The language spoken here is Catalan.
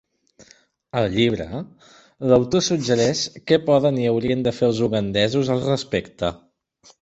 Al llibre, l'autor suggereix què poden i haurien de fer els ugandesos al respecte.